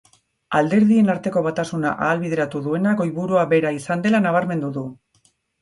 Alderdien arteko batasuna ahalbideratu duena goiburua bera izan dela nabarmendu du.